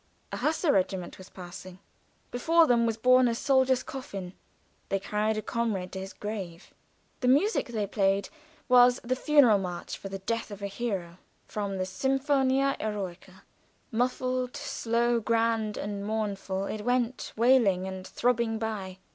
A Hussar regiment was passing; before them was borne a soldier's coffin; they carried a comrade to his grave. The music they played was the "Funeral March for the Death of a Hero," from the "Sinfonia Eroica." Muffled, slow, grand and mournful, it went wailing and throbbing by.